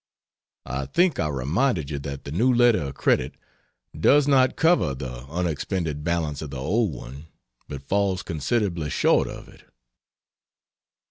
I think I also reminded you that the new letter of credit does not cover the unexpended balance of the old one but falls considerably short of it.